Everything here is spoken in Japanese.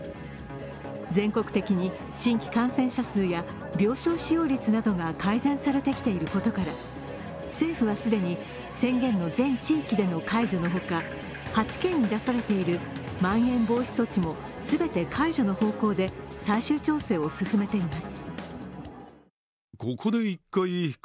全国的に新規感染者数や病床使用率などが改善されてきていることから政府は既に、宣言の全地域での解除のほか８県に出されているまん延防止措置も全て解除の方向で最終調整を進めています。